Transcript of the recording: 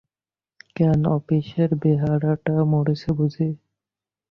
কেন, আপিসের বেহারাটা মরেছে বুঝি?